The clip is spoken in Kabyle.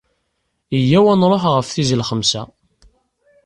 Iyyaw ad nṛuḥ ɣef tizi n lxemsa.